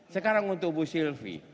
sekarang untuk bu sylvie